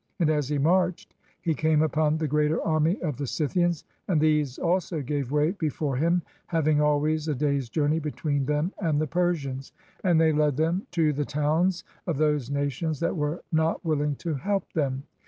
And as he marched he came upon the greater army of the Scythians, and these also gave way before him, having always a day's journey between them and the Persians; and they led them to the towns of those nations that were not willing to help them.